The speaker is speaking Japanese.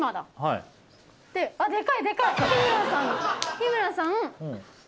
日村さん。